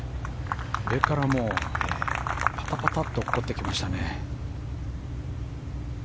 上からパタパタッと落っこちてきましたね。